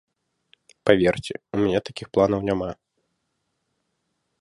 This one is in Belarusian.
Паверце, у мяне такіх планаў няма.